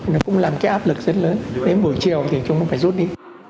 nó cũng làm cái áp lực rất lớn đến buổi chiều thì chúng cũng phải rút đi